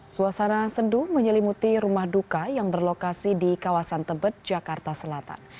suasana sendu menyelimuti rumah duka yang berlokasi di kawasan tebet jakarta selatan